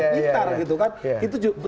bisa ada yang pintar gitu kan